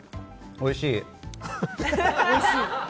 おいしい！